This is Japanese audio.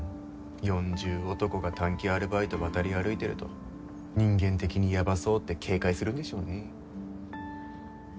４０男が短期アルバイト渡り歩いてると人間的にヤバそうって警戒するんでしょうね。